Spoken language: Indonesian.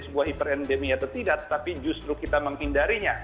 sebuah hiperendemi atau tidak tapi justru kita menghindarinya